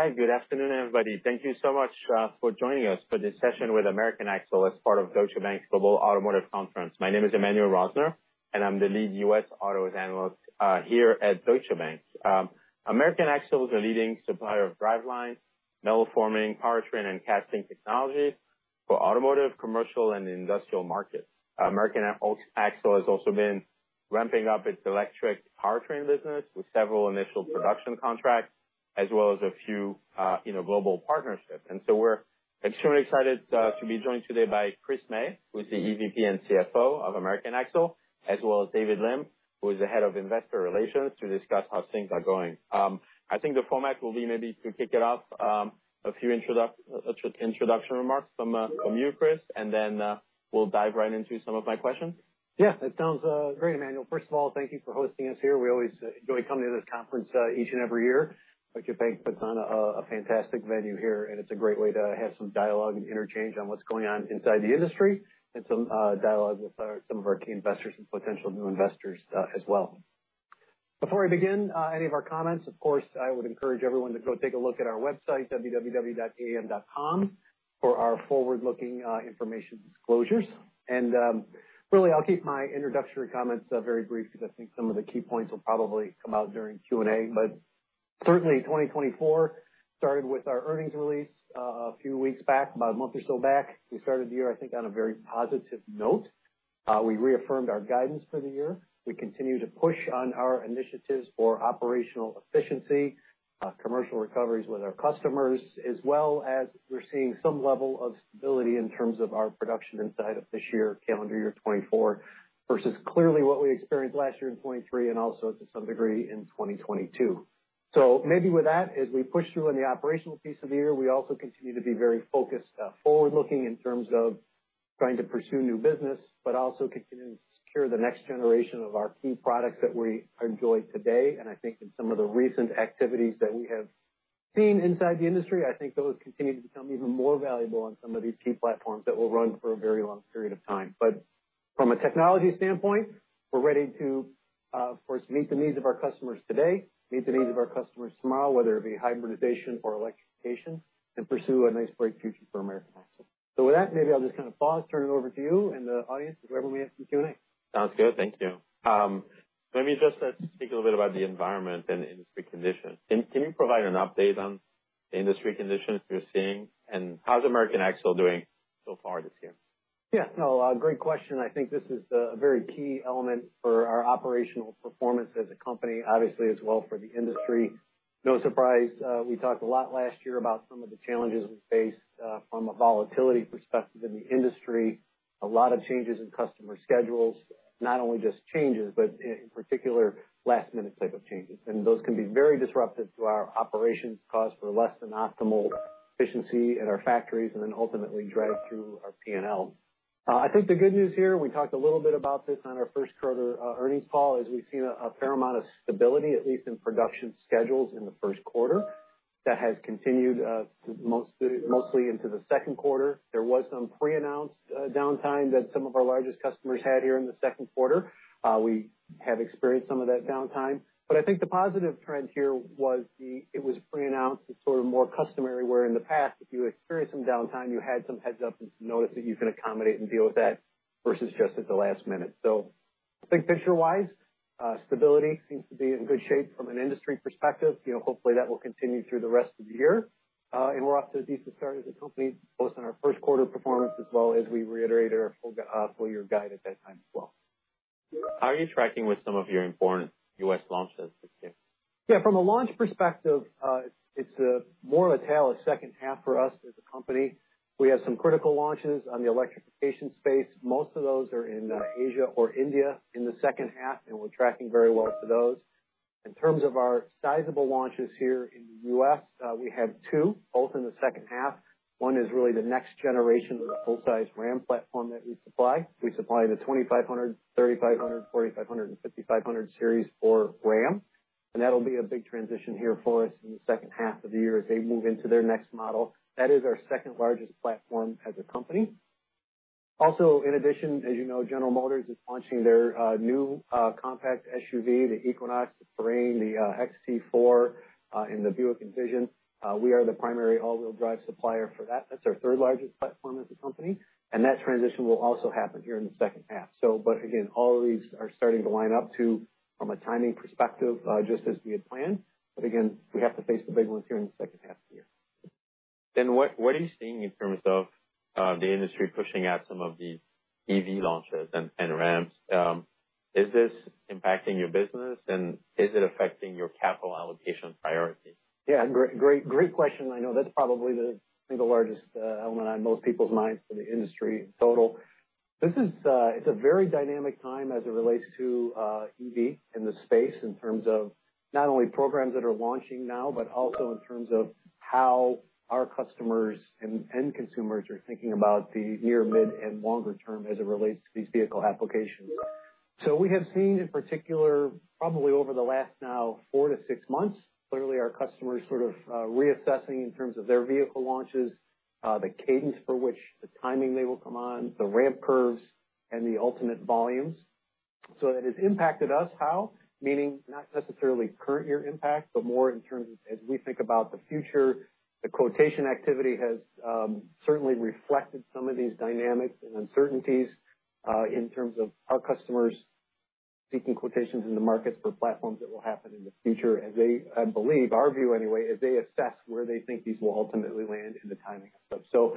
All right. Good afternoon, everybody. Thank you so much for joining us for this session with American Axle as part of Deutsche Bank's Global Automotive Conference. My name is Emmanuel Rosner, and I'm the lead U.S. autos analyst here at Deutsche Bank. American Axle is a leading supplier of driveline, metal forming, powertrain, and casting technologies for automotive, commercial, and industrial markets. American Axle has also been ramping up its electric powertrain business with several initial production contracts as well as a few, you know, global partnerships. And so we're extremely excited to be joined today by Chris May, who's the EVP and CFO of American Axle, as well as David Lim, who is the head of investor relations, to discuss how things are going. I think the format will be maybe to kick it off, a few introduction remarks from you, Chris, and then we'll dive right into some of my questions. Yeah. That sounds great, Emmanuel. First of all, thank you for hosting us here. We always enjoy coming to this conference each and every year. Deutsche Bank puts on a fantastic venue here, and it's a great way to have some dialogue and interchange on what's going on inside the industry and some dialogue with some of our key investors and potential new investors, as well. Before I begin any of our comments, of course, I would encourage everyone to go take a look at our website, www.aam.com, for our forward-looking information disclosures. Really, I'll keep my introductory comments very brief because I think some of the key points will probably come out during Q&A. But certainly, 2024 started with our earnings release a few weeks back, about a month or so back. We started the year, I think, on a very positive note. We reaffirmed our guidance for the year. We continue to push on our initiatives for operational efficiency, commercial recoveries with our customers, as well as we're seeing some level of stability in terms of our production inside of this year, calendar year 2024, versus clearly what we experienced last year in 2023 and also, to some degree, in 2022. So maybe with that, as we push through on the operational piece of the year, we also continue to be very focused, forward-looking in terms of trying to pursue new business, but also continue to secure the next generation of our key products that we enjoy today. And I think in some of the recent activities that we have seen inside the industry, I think those continue to become even more valuable on some of these key platforms that will run for a very long period of time. But from a technology standpoint, we're ready to, of course, meet the needs of our customers today, meet the needs of our customers tomorrow, whether it be hybridization or electrification, and pursue a nice bright future for American Axle. So with that, maybe I'll just kind of pause, turn it over to you and the audience, whoever may have some Q&A. Sounds good. Thank you. Let me just speak a little bit about the environment and industry conditions. Can you provide an update on the industry conditions you're seeing, and how's American Axle doing so far this year? Yeah. No, great question. I think this is a very key element for our operational performance as a company, obviously, as well for the industry. No surprise, we talked a lot last year about some of the challenges we faced, from a volatility perspective in the industry, a lot of changes in customer schedules, not only just changes, but in, in particular, last-minute type of changes. And those can be very disruptive to our operations, cause for less than optimal efficiency at our factories, and then ultimately drive through our P&L. I think the good news here, we talked a little bit about this on our first quarter earnings call, is we've seen a fair amount of stability, at least in production schedules in the first quarter, that has continued, mostly, mostly into the second quarter. There was some pre-announced, downtime that some of our largest customers had here in the second quarter. We have experienced some of that downtime. But I think the positive trend here was the it was pre-announced, it's sort of more customary where in the past, if you experienced some downtime, you had some heads-up and some notice that you can accommodate and deal with that versus just at the last minute. So I think picture-wise, stability seems to be in good shape from an industry perspective. You know, hopefully that will continue through the rest of the year. And we're off to a decent start as a company, both on our first quarter performance as well as we reiterated our full gu full-year guide at that time as well. How are you tracking with some of your important U.S. launches this year? Yeah. From a launch perspective, it's more of a tale of second half for us as a company. We have some critical launches on the electrification space. Most of those are in Asia or India in the second half, and we're tracking very well for those. In terms of our sizable launches here in the U.S., we have 2, both in the second half. One is really the next generation of the full-size Ram platform that we supply. We supply the 2500, 3500, 4500, and 5500 series for Ram. And that'll be a big transition here for us in the second half of the year as they move into their next model. That is our second largest platform as a company. Also, in addition, as you know, General Motors is launching their new compact SUV, the Equinox, the Terrain, the XT4, in the Buick Envision. We are the primary all-wheel-drive supplier for that. That's our third largest platform as a company. And that transition will also happen here in the second half. So, but again, all of these are starting to line up to, from a timing perspective, just as we had planned. But again, we have to face the big ones here in the second half of the year. What are you seeing in terms of the industry pushing out some of these EV launches and Rams? Is this impacting your business, and is it affecting your capital allocation priority? Yeah. Great, great, great question. I know that's probably the, I think, the largest, element on most people's minds for the industry in total. This is, it's a very dynamic time as it relates to, EV in the space in terms of not only programs that are launching now, but also in terms of how our customers and, and consumers are thinking about the near, mid, and longer term as it relates to these vehicle applications. So we have seen, in particular, probably over the last now 4-6 months, clearly our customers sort of, reassessing in terms of their vehicle launches, the cadence for which, the timing they will come on, the ramp curves, and the ultimate volumes. So that has impacted us how? Meaning not necessarily current year impact, but more in terms of as we think about the future, the quotation activity has certainly reflected some of these dynamics and uncertainties, in terms of our customers seeking quotations in the markets for platforms that will happen in the future as they, I believe, our view anyway, as they assess where they think these will ultimately land in the timing and stuff. So,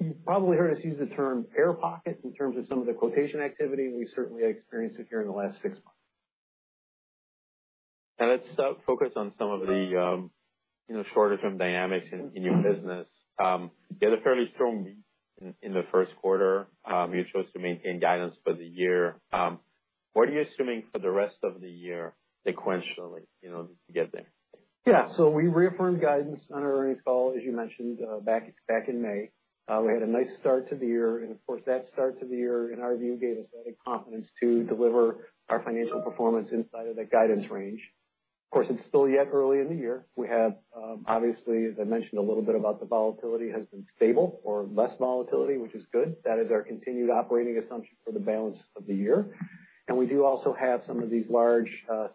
you've probably heard us use the term air pocket in terms of some of the quotation activity, and we certainly have experienced it here in the last six months. Let's focus on some of the, you know, shorter-term dynamics in your business. You had a fairly strong beat in the first quarter. You chose to maintain guidance for the year. What are you assuming for the rest of the year sequentially, you know, to get there? Yeah. So we reaffirmed guidance on our earnings call, as you mentioned, back in May. We had a nice start to the year. And of course, that start to the year, in our view, gave us added confidence to deliver our financial performance inside of that guidance range. Of course, it's still yet early in the year. We have, obviously, as I mentioned, a little bit about the volatility has been stable or less volatility, which is good. That is our continued operating assumption for the balance of the year. And we do also have some of these large,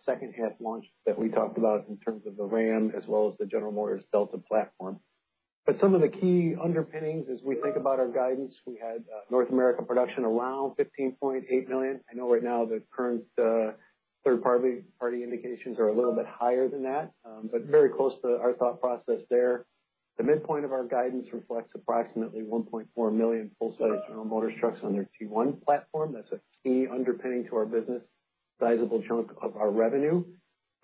second-half launches that we talked about in terms of the Ram as well as the General Motors Delta platform. But some of the key underpinnings, as we think about our guidance, we had North America production around 15.8 million. I know right now the current, third-party indications are a little bit higher than that, but very close to our thought process there. The midpoint of our guidance reflects approximately 1.4 million full-size General Motors trucks on their T1 platform. That's a key underpinning to our business, sizable chunk of our revenue.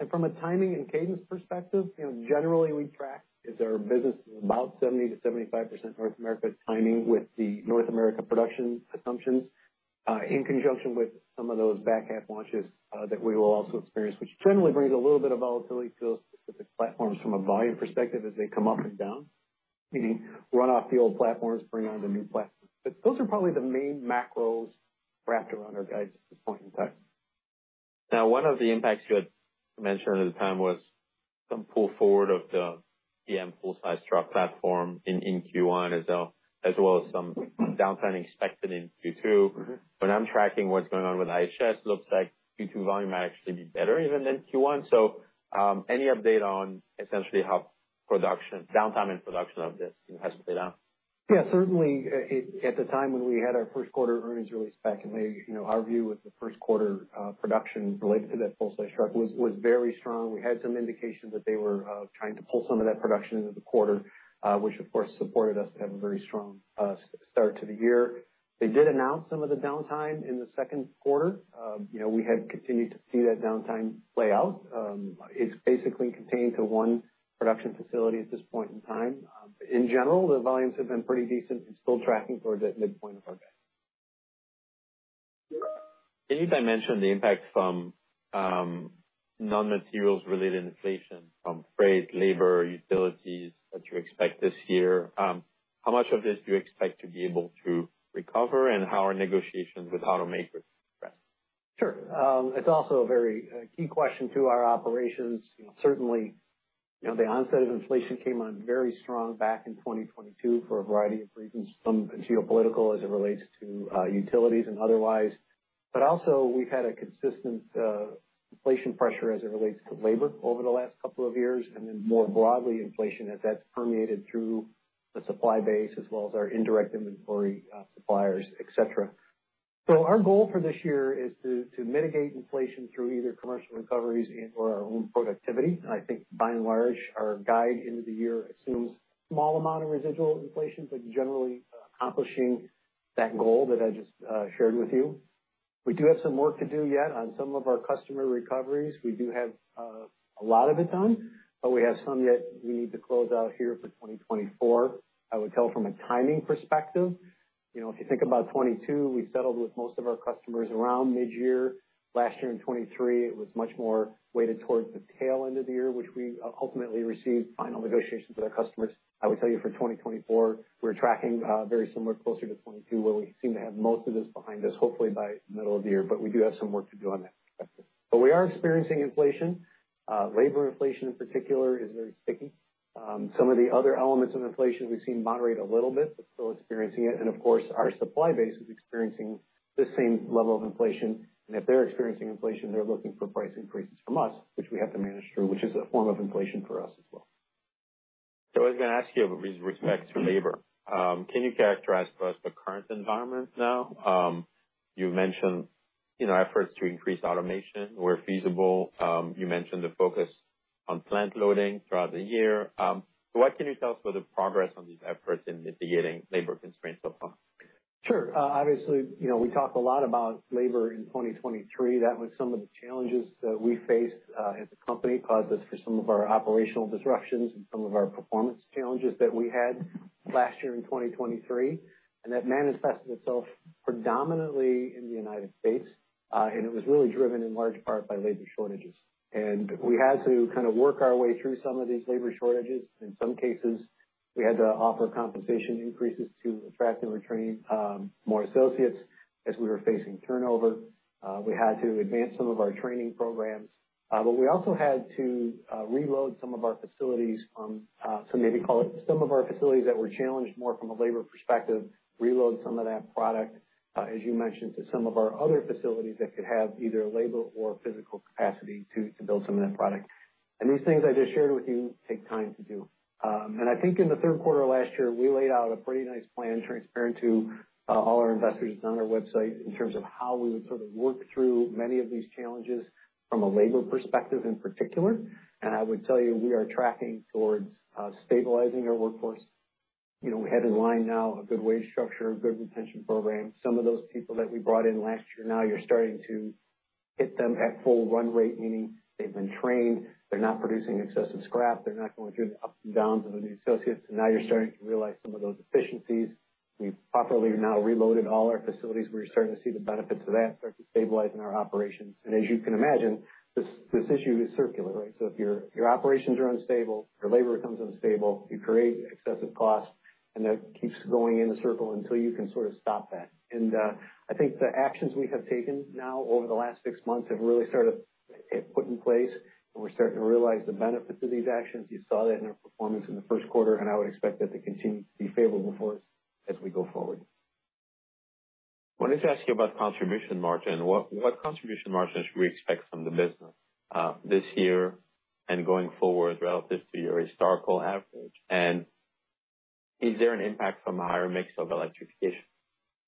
From a timing and cadence perspective, you know, generally we track is our business is about 70%-75% North America timing with the North America production assumptions, in conjunction with some of those back-half launches, that we will also experience, which generally brings a little bit of volatility to those specific platforms from a volume perspective as they come up and down, meaning run-off the old platforms, bring on the new platforms. But those are probably the main macros wrapped around our guidance at this point in time. Now, one of the impacts you had mentioned at the time was some pull forward of the full-size truck platform in Q1 as well as some downtime expected in Q2. When I'm tracking what's going on with IHS, it looks like Q2 volume might actually be better even than Q1. So, any update on essentially how production, downtime and production of this, you know, has played out? Yeah. Certainly, at the time when we had our first quarter earnings release back in May, you know, our view with the first quarter, production related to that full-size truck was very strong. We had some indication that they were trying to pull some of that production into the quarter, which, of course, supported us to have a very strong start to the year. They did announce some of the downtime in the second quarter. You know, we had continued to see that downtime play out. It's basically contained to one production facility at this point in time. But in general, the volumes have been pretty decent. We're still tracking towards that midpoint of our guidance. Can you dimension the impact from, non-materials related inflation from freight, labor, utilities that you expect this year? How much of this do you expect to be able to recover and how are negotiations with automakers addressed? Sure. It's also a very key question to our operations. You know, certainly, you know, the onset of inflation came on very strong back in 2022 for a variety of reasons, some geopolitical as it relates to utilities and otherwise. But also, we've had a consistent inflation pressure as it relates to labor over the last couple of years, and then more broadly, inflation as that's permeated through the supply base as well as our indirect inventory, suppliers, etc. So our goal for this year is to mitigate inflation through either commercial recoveries and/or our own productivity. And I think by and large, our guide into the year assumes a small amount of residual inflation, but generally, accomplishing that goal that I just shared with you. We do have some work to do yet on some of our customer recoveries. We do have a lot of it done, but we have some yet we need to close out here for 2024. I would tell from a timing perspective, you know, if you think about 2022, we settled with most of our customers around mid-year. Last year in 2023, it was much more weighted towards the tail end of the year, which we ultimately received final negotiations with our customers. I would tell you for 2024, we're tracking very similar closer to 2022 where we seem to have most of this behind us, hopefully by the middle of the year. But we do have some work to do on that perspective. But we are experiencing inflation. Labor inflation in particular is very sticky. Some of the other elements of inflation we've seen moderate a little bit, but still experiencing it. Of course, our supply base is experiencing the same level of inflation. And if they're experiencing inflation, they're looking for price increases from us, which we have to manage through, which is a form of inflation for us as well. I was gonna ask you with respect to labor. Can you characterize for us the current environment now? You mentioned, you know, efforts to increase automation where feasible. You mentioned the focus on plant loading throughout the year. What can you tell us about the progress on these efforts in mitigating labor constraints so far? Sure. Obviously, you know, we talked a lot about labor in 2023. That was some of the challenges that we faced, as a company, caused us for some of our operational disruptions and some of our performance challenges that we had last year in 2023. That manifested itself predominantly in the United States. It was really driven in large part by labor shortages. We had to kind of work our way through some of these labor shortages. In some cases, we had to offer compensation increases to attract and retain, more associates as we were facing turnover. We had to advance some of our training programs. But we also had to reload some of our facilities from some—maybe call it—some of our facilities that were challenged more from a labor perspective, reload some of that product, as you mentioned, to some of our other facilities that could have either labor or physical capacity to build some of that product. These things I just shared with you take time to do. I think in the third quarter of last year, we laid out a pretty nice plan transparent to all our investors on our website in terms of how we would sort of work through many of these challenges from a labor perspective in particular. I would tell you we are tracking towards stabilizing our workforce. You know, we had in line now a good wage structure, a good retention program. Some of those people that we brought in last year, now you're starting to hit them at full run rate, meaning they've been trained, they're not producing excessive scrap, they're not going through the ups and downs of the new associates. And now you're starting to realize some of those efficiencies. We've properly now reloaded all our facilities. We're starting to see the benefits of that, start to stabilize in our operations. And as you can imagine, this, this issue is circular, right? So if your, your operations are unstable, your labor becomes unstable, you create excessive costs, and that keeps going in a circle until you can sort of stop that. And, I think the actions we have taken now over the last six months have really started to hit put in place, and we're starting to realize the benefits of these actions. You saw that in our performance in the first quarter, and I would expect that to continue to be favorable for us as we go forward. Wanted to ask you about contribution margin. What, what contribution margin should we expect from the business, this year and going forward relative to your historical average? And is there an impact from a higher mix of electrification?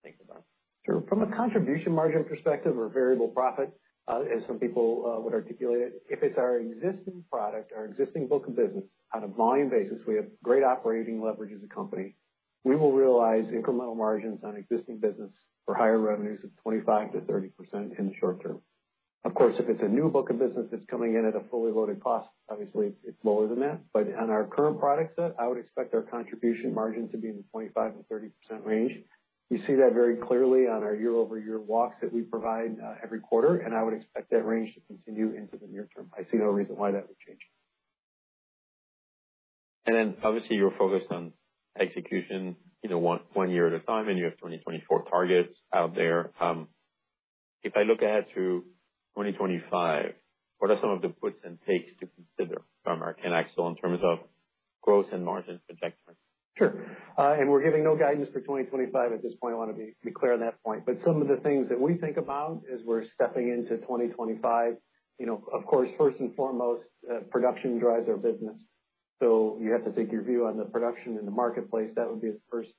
Think about it. Sure. From a contribution margin perspective or variable profit, as some people would articulate it, if it's our existing product, our existing book of business on a volume basis, we have great operating leverage as a company. We will realize incremental margins on existing business for higher revenues of 25%-30% in the short term. Of course, if it's a new book of business that's coming in at a fully loaded cost, obviously it's lower than that. But on our current product set, I would expect our contribution margin to be in the 25%-30% range. You see that very clearly on our year-over-year walks that we provide, every quarter. And I would expect that range to continue into the near term. I see no reason why that would change. And then obviously you're focused on execution, you know, one year at a time, and you have 2024 targets out there. If I look ahead to 2025, what are some of the puts and takes to consider from American Axle in terms of growth and margin trajectory? Sure. And we're giving no guidance for 2025 at this point. I want to be, be clear on that point. But some of the things that we think about as we're stepping into 2025, you know, of course, first and foremost, production drives our business. So you have to take your view on the production in the marketplace. That would be the first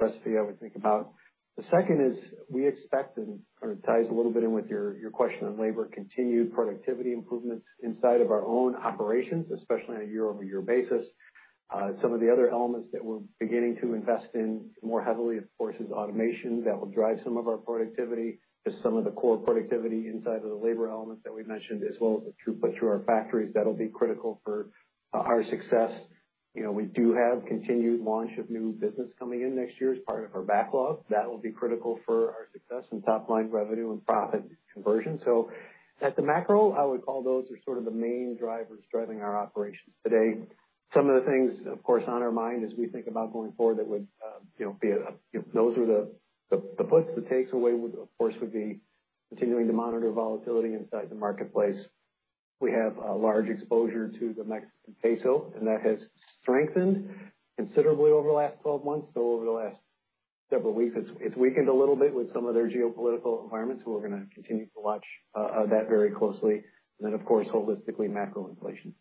recipe I would think about. The second is we expect, and kind of ties a little bit in with your, your question on labor, continued productivity improvements inside of our own operations, especially on a year-over-year basis. Some of the other elements that we're beginning to invest in more heavily, of course, is automation that will drive some of our productivity, just some of the core productivity inside of the labor elements that we mentioned, as well as the throughput through our factories. That'll be critical for our success. You know, we do have continued launch of new business coming in next year as part of our backlog. That will be critical for our success and top-line revenue and profit conversion. So at the macro, I would call those are sort of the main drivers driving our operations today. Some of the things, of course, on our mind as we think about going forward that would, you know, be a, you know, those are the puts, the takes away would, of course, be continuing to monitor volatility inside the marketplace. We have a large exposure to the Mexican peso, and that has strengthened considerably over the last 12 months. So over the last several weeks, it's weakened a little bit with some of their geopolitical environments. We're gonna continue to watch that very closely. And then, of course, holistically, macro inflation.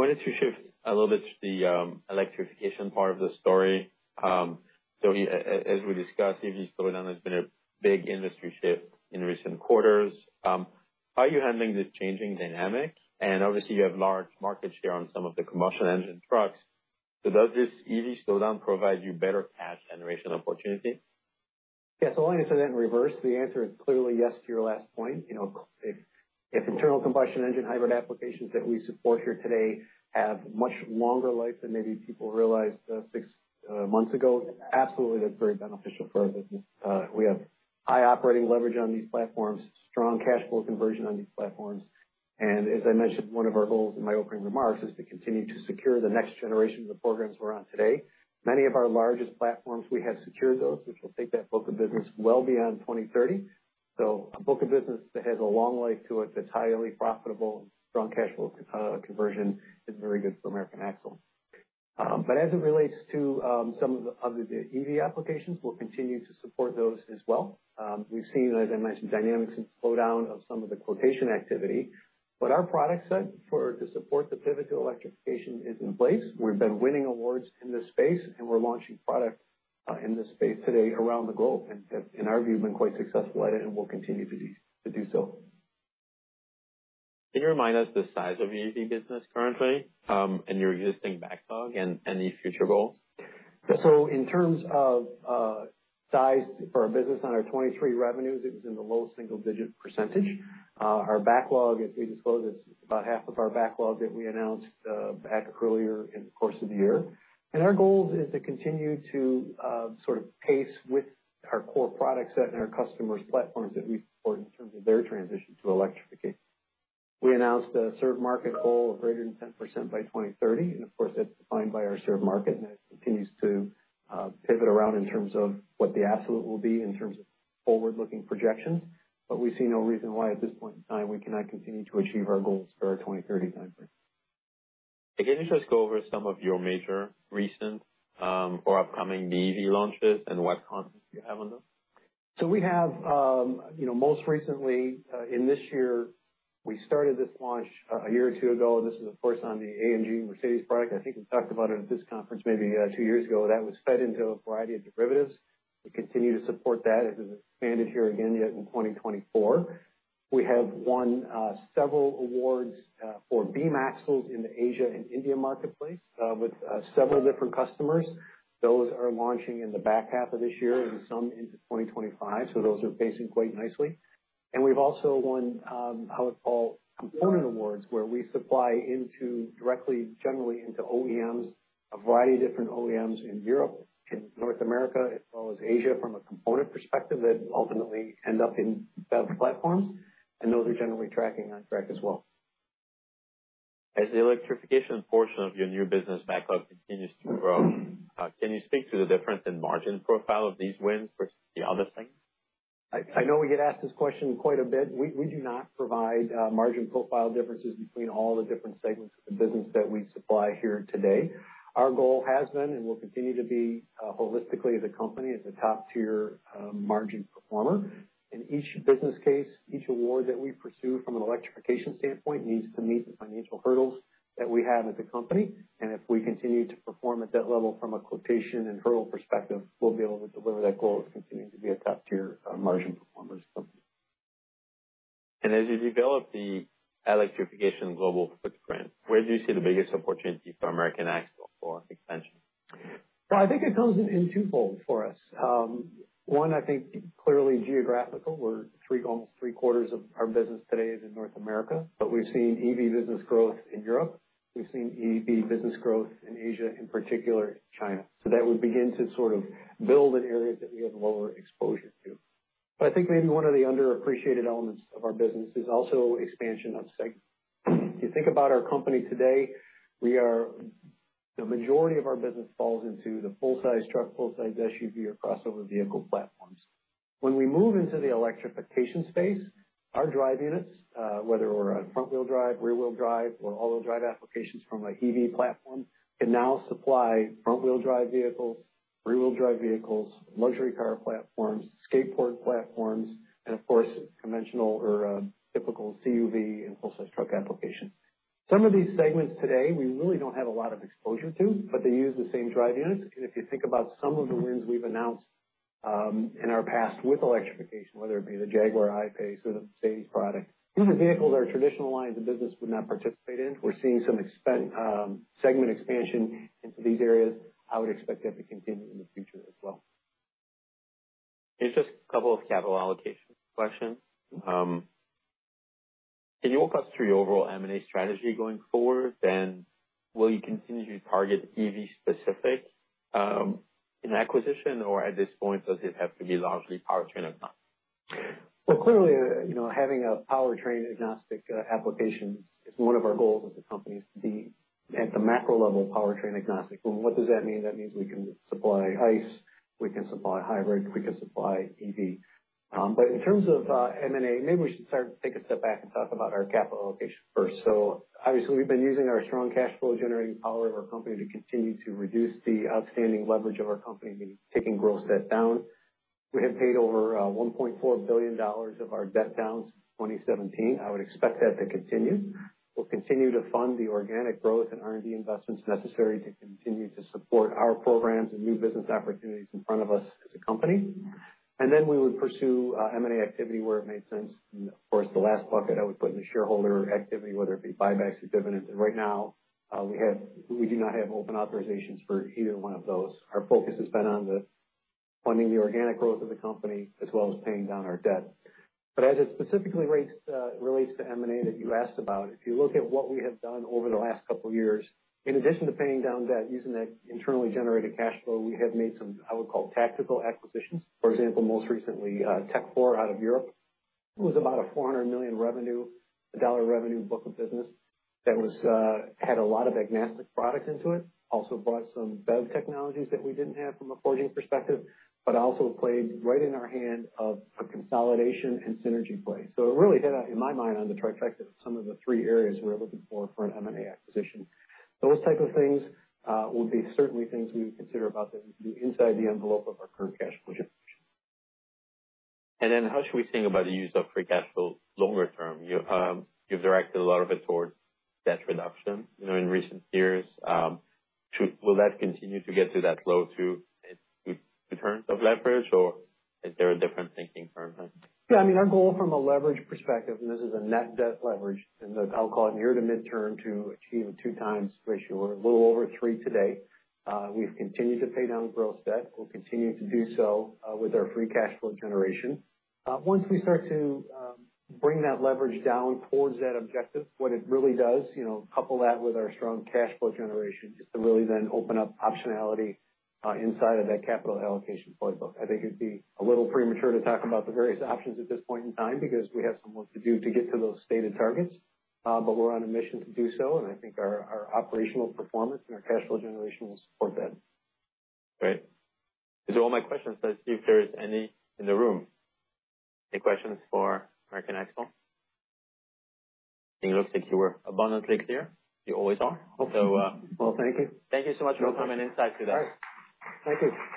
Wanted to shift a little bit to the electrification part of the story. So, as we discussed, EV slowdown has been a big industry shift in recent quarters. How are you handling this changing dynamic? And obviously, you have large market share on some of the combustion engine trucks. So does this EV slowdown provide you better cash generation opportunity? Yeah. So I'll answer that in reverse. The answer is clearly yes to your last point. You know, if internal combustion engine hybrid applications that we support here today have much longer life than maybe people realized 6 months ago, absolutely, that's very beneficial for our business. We have high operating leverage on these platforms, strong cash flow conversion on these platforms. And as I mentioned, one of our goals in my opening remarks is to continue to secure the next generation of the programs we're on today. Many of our largest platforms, we have secured those, which will take that book of business well beyond 2030. So a book of business that has a long life to it that's highly profitable and strong cash flow conversion is very good for American Axle. But as it relates to some of the other EV applications, we'll continue to support those as well. We've seen, as I mentioned, dynamics and slowdown of some of the quotation activity. But our product set for to support the pivot to electrification is in place. We've been winning awards in this space, and we're launching product in this space today around the globe. And in our view, been quite successful at it, and we'll continue to do so. Can you remind us the size of your EV business currently, and your existing backlog and any future goals? So in terms of size for our business on our 2023 revenues, it was in the low single-digit %. Our backlog, as we disclosed, it's about half of our backlog that we announced back earlier in the course of the year. And our goal is to continue to sort of pace with our core product set and our customers' platforms that we support in terms of their transition to electrification. We announced a served market goal of greater than 10% by 2030. And of course, that's defined by our served market, and that continues to pivot around in terms of what the absolute will be in terms of forward-looking projections. But we see no reason why at this point in time we cannot continue to achieve our goals for our 2030 timeframe. Can you just go over some of your major recent, or upcoming EV launches and what content you have on them? So we have, you know, most recently, in this year, we started this launch a year or two ago. This is, of course, on the Mercedes-AMG product. I think we talked about it at this conference maybe two years ago. That was fed into a variety of derivatives. We continue to support that. It has expanded here again yet in 2024. We have won several awards for beam axles in the Asia and India marketplace with several different customers. Those are launching in the back half of this year and some into 2025. So those are pacing quite nicely. And we've also won how we call component awards where we supply into directly, generally into OEMs, a variety of different OEMs in Europe and North America as well as Asia from a component perspective that ultimately end up in BEV platforms. Those are generally tracking on track as well. As the electrification portion of your new business backlog continues to grow, can you speak to the difference in margin profile of these wins versus the other things? I know we get asked this question quite a bit. We do not provide margin profile differences between all the different segments of the business that we supply here today. Our goal has been, and will continue to be, holistically as a company as a top-tier margin performer. And each business case, each award that we pursue from an electrification standpoint needs to meet the financial hurdles that we have as a company. And if we continue to perform at that level from a quotation and hurdle perspective, we'll be able to deliver that goal of continuing to be a top-tier margin performers company. As you develop the electrification global footprint, where do you see the biggest opportunity for American Axle for expansion? Well, I think it comes in twofold for us. One, I think clearly geographical. We're three, almost three quarters of our business today is in North America. But we've seen EV business growth in Europe. We've seen EV business growth in Asia, in particular, China. So that would begin to sort of build an area that we have lower exposure to. But I think maybe one of the underappreciated elements of our business is also expansion of segment. If you think about our company today, we are the majority of our business falls into the full-size truck, full-size SUV, or crossover vehicle platforms. When we move into the electrification space, our drive units, whether we're on front-wheel drive, rear-wheel drive, or all-wheel drive applications from a EV platform can now supply front-wheel drive vehicles, rear-wheel drive vehicles, luxury car platforms, skateboard platforms, and of course, conventional or typical CUV and full-size truck applications. Some of these segments today, we really don't have a lot of exposure to, but they use the same drive units. And if you think about some of the wins we've announced in our past with electrification, whether it be the Jaguar I-PACE or the Mercedes product, these are vehicles our traditional lines of business would not participate in. We're seeing some segment expansion into these areas. I would expect that to continue in the future as well. It's just a couple of capital allocation questions. Can you walk us through your overall M&A strategy going forward? And will you continue to target EV-specific acquisitions? Or at this point, does it have to be largely powertrain agnostic? Well, clearly, you know, having powertrain-agnostic applications is one of our goals as a company is to be at the macro level powertrain agnostic. And what does that mean? That means we can supply ICE, we can supply hybrid, we can supply EV. But in terms of M&A, maybe we should start to take a step back and talk about our capital allocation first. So obviously, we've been using our strong cash flow generating power of our company to continue to reduce the outstanding leverage of our company, meaning taking gross debt down. We have paid over $1.4 billion of our debt down since 2017. I would expect that to continue. We'll continue to fund the organic growth and R&D investments necessary to continue to support our programs and new business opportunities in front of us as a company. And then we would pursue M&A activity where it makes sense. And of course, the last bucket I would put in the shareholder activity, whether it be buybacks or dividends. And right now, we do not have open authorizations for either one of those. Our focus has been on funding the organic growth of the company as well as paying down our debt. But as it specifically relates to M&A that you asked about, if you look at what we have done over the last couple of years, in addition to paying down debt using that internally generated cash flow, we have made some, I would call, tactical acquisitions. For example, most recently, Tekfor out of Europe. It was about a $400 million dollar revenue book of business that had a lot of agnostic product into it. Also brought some BEV technologies that we didn't have from a forging perspective, but also played right in our hand of a consolidation and synergy play. It really hit, in my mind, on the trifecta of some of the three areas we're looking for for an M&A acquisition. Those type of things would be certainly things we would consider about that we can do inside the envelope of our current cash flow generation. And then how should we think about the use of free cash flow longer term? You, you've directed a lot of it towards debt reduction, you know, in recent years. Should that continue to get to that low 2 turns of leverage, or is there a different thinking currently? Yeah. I mean, our goal from a leverage perspective, and this is a net debt leverage, and I'll call it near to midterm to achieve a 2x ratio or a little over 3 today. We've continued to pay down growth debt. We'll continue to do so with our free cash flow generation. Once we start to bring that leverage down towards that objective, what it really does, you know, couple that with our strong cash flow generation is to really then open up optionality inside of that capital allocation playbook. I think it'd be a little premature to talk about the various options at this point in time because we have some work to do to get to those stated targets. But we're on a mission to do so. And I think our operational performance and our cash flow generation will support that. Great. Those are all my questions. Let's see if there's any in the room. Any questions for American Axle? It looks like you were abundantly clear. You always are. So, Well, thank you. Thank you so much for coming inside today. All right. Thank you.